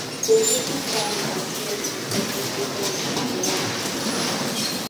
Se cree que esta inducción inicial resulta de la actividad de los genes Hox.